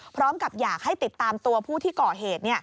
พร้อมกับอยากให้ติดตามตัวผู้ที่ก่อเหตุ